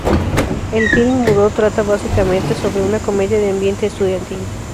El film mudo trata básicamente sobre una comedia de ambiente estudiantil.